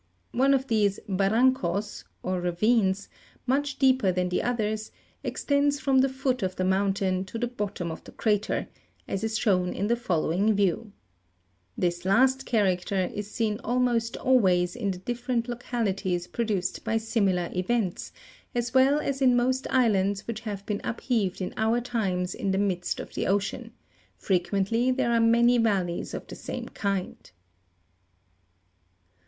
One of these barancos (or ravines) much deeper than the others, extends from the foot of the mountain to the bottom of the crater, as is shown in the follow ing view (Jig. 189). This last character is seen almost always in Fig. 189. View of the Island of Palma. the different localities produced by similar events, as well as in most islands which have been upheaved in our times in the midst of the ocean ; frequently there are many valleys of the same kind.